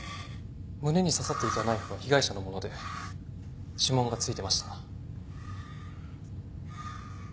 胸に刺さっていたナイフは被害者の物で指紋が付いてました。